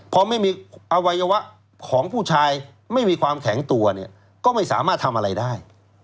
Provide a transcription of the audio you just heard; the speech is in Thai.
พอไม่มีอวัยวะของผู้ชายไม่มีความแข็งตัวเนี่ยก็ไม่สามารถทำอะไรได้